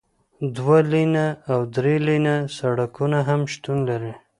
دوه لینه او درې لینه سړکونه هم شتون لري